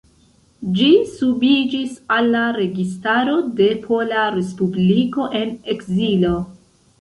Ĝi subiĝis al la Registaro de Pola Respubliko en ekzilo.